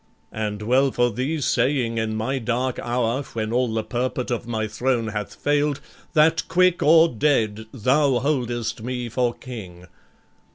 And well for thee, saying in my dark hour, When all the purport of my throne hath fail'd, That quick or dead thou holdest me for King.